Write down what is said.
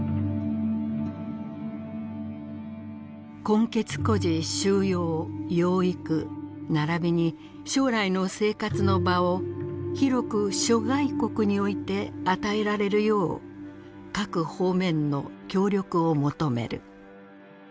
「混血孤児収容養育並びに将来の生活の場を広く諸外国において与えられるよう各方面の協力を求める」。